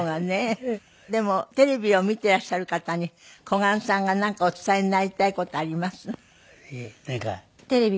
でもテレビを見ていらっしゃる方に小雁さんがなんかお伝えになりたい事あります？